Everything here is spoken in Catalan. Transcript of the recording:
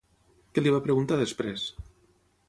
Què li va preguntar després?